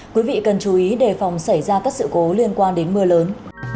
quý vị cần chú ý đề phòng xảy ra các sự cố liên quan đến mưa lớn